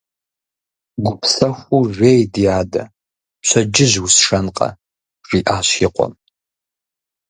– Гупсэхуу жей, ди адэ, пщэдджыжь усшэнкъэ, – жиӏащ и къуэм.